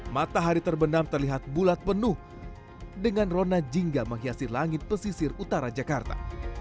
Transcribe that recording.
matahari terbenam terlihat bulat penuh dengan rona jingga menghiasi langit pesisir utara jakarta